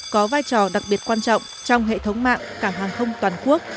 có vai trò đặc biệt quan trọng trong hệ thống mạng cảng hàng không toàn quốc